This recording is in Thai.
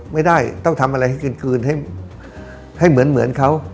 ไม่ได้ต้องทำอะไรให้คืนให้เหมือนเขา